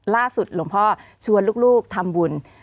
ล่าสุดหลวงพ่อชวนลูกทำบุญ